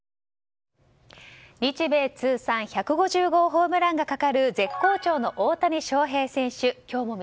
日米通算１５０号ホームランがかかる絶好調の大谷翔平選手。